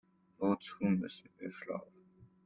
Wozu müssen wir schlafen?